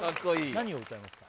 何を歌いますか？